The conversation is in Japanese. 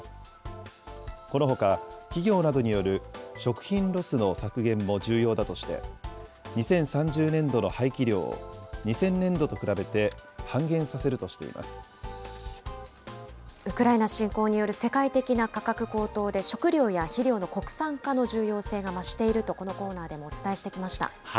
このほか、企業などによる食品ロスの削減も重要だとして、２０３０年度の廃棄量を、２０００年度と比べて半減させるとしてウクライナ侵攻による世界的な価格高騰で、食料や肥料の国産化の重要性が増していると、このコーナーでもお伝えしてきました。